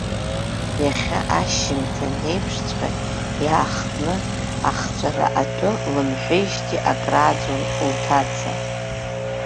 Иахьа ашьжьымҭан еиԥшҵәҟьа иаахтны ахҵәара атәы лымҳәеижьҭеи акрааҵуан лҭаца.